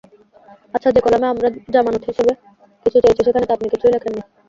আচ্ছা, যে কলামে আমরা জামানত হিসেবে কিছু চেয়েছি সেখানে তো আপনি কিছুই লেখেননি?